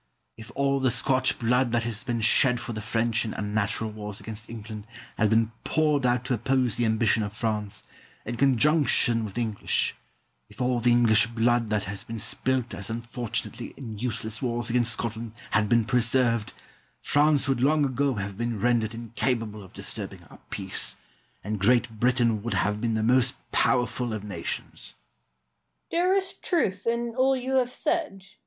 If all the Scotch blood that has been shed for the French in unnatural wars against England had been poured out to oppose the ambition of France, in conjunction with the English if all the English blood that has been spilt as unfortunately in useless wars against Scotland had been preserved, France would long ago have been rendered incapable of disturbing our peace, and Great Britain would have been the most powerful of nations. Douglas. There is truth in all you have said.